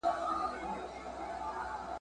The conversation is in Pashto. دا یوه وینا یې څو ځله پېچله ..